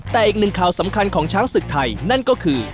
แต่อีกหนึ่งข่าวสำคัญของช้างศึกไทยนั่นก็คือ